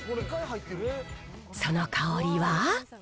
その香りは？